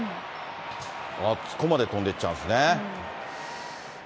あそこまで飛んでっちゃうんですね。